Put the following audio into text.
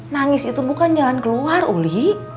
nangis itu bukan jalan keluar uli